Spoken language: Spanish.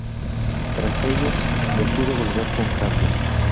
Tras ello decide volver con Carlos.